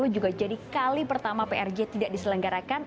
dua ribu dua puluh juga jadi kali pertama prj tidak diselenggarakan